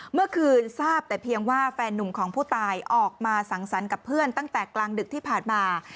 เมื่อคืนทราบแต่เพียงว่าแฟนนุ่มของผู้ตายออกมาสังสรรค์กับเพื่อนตั้งแต่กลางดึกที่ผ่านมา